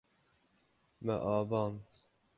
Me avand.